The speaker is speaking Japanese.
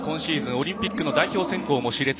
オリンピックの代表選考もしれつ。